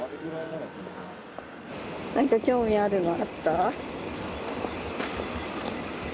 なんか興味あるのあった？